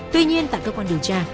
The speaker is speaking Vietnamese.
tuy nhiên tại cơ quan điều tra